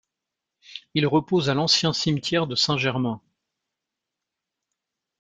Il repose à l'ancien cimetière de Saint-germain.